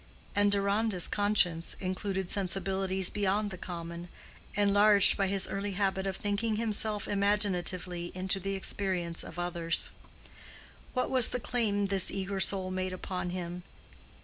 And Deronda's conscience included sensibilities beyond the common, enlarged by his early habit of thinking himself imaginatively into the experience of others. What was the claim this eager soul made upon him?